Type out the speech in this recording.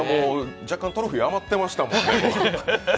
若干トロフィー余ってましたもんね。